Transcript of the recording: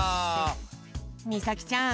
みさきちゃん